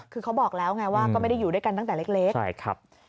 คือเขาบอกแล้วไงว่าก็ไม่ได้อยู่ด้วยกันตั้งแต่เล็กใช่ครับ